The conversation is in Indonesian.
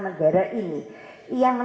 negara ini yang